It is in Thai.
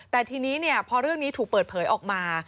แต่ทีนี้พอเรื่องนี้ถูกเปิดเผยออกมา